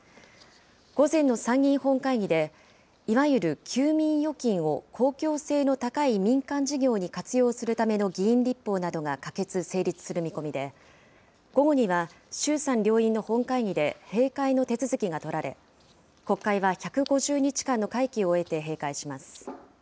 午前の参議院本会議で、いわゆる休眠預金を公共性の高い民間事業に活用するための議員立法などが可決・成立する見込みで、午後には衆参両院の本会議で、閉会の手続きが取られ、国会は１５０日間の会期を終えて閉会します。